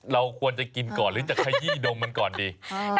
เราควรจะกินก่อนหรือจะขยี้ดมมันก่อนดี